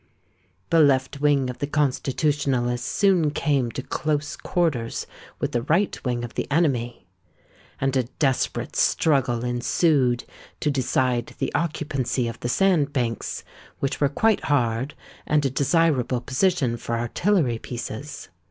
The left wing of the Constitutionalists soon came to close quarters with the right wing of the enemy; and a desperate struggle ensued to decide the occupancy of the sand banks, which were quite hard and a desirable position for artillery pieces.